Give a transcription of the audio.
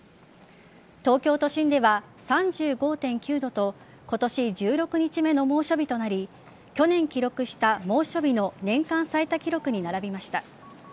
東京都心では３５．９度と今年１６日目の猛暑日となり去年記録した猛暑日の年間最多記録に並びました。